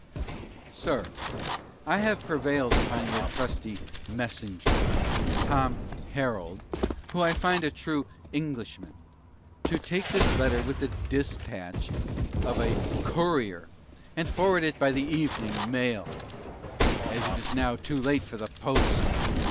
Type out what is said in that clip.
SIR, I have prevailed upon your trusty 'MESSENGER,' Tom 'HERALD,' who I find a true 'ENGLISHMAN,' to take this Letter with the 'DISPATCH' of a 'COURIER,' and forward it by the 'EVENING MAIL,' as it is now too late for the 'POST.